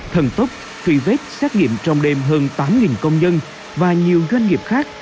thần tốc truy vết xét nghiệm trong đêm hơn tám công nhân và nhiều doanh nghiệp khác